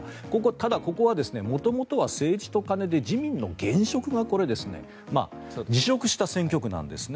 ただ、ここは元々政治と金の問題で自民の現職が辞職した選挙区なんですね。